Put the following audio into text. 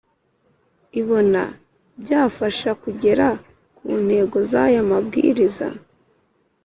ibona byafasha kugera ku ntego z aya mabwiriza